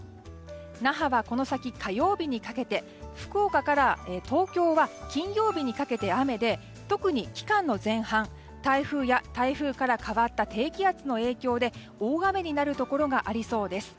那覇はこの先、火曜日にかけて福岡から東京は金曜日にかけて雨で特に期間の前半台風や台風から変わった低気圧の影響で大雨になるところがありそうです。